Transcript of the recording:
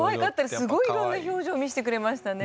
すごいいろんな表情を見せてくれましたね。